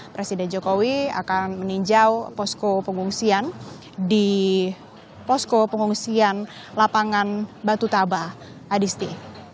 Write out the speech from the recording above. presiden jokowi akan meninjau posko pengungsian di posko pengungsian lapangan batu taba adisti